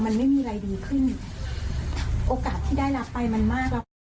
มันไม่มีอะไรดีขึ้นโอกาสที่ได้รับไปมันมากแล้ว